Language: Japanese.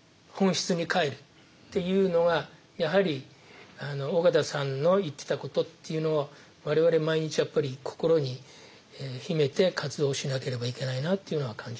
「本質に返る」っていうのがやはり緒方さんの言ってたことっていうのは我々毎日やっぱり心に秘めて活動をしなければいけないなっていうのは感じます。